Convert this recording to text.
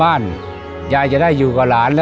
ก็ยังดีว่ามีคนมาดูแลน้องเติร์ดให้